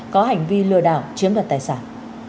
có hành vi lừa đảo chiếm đoạt tài sản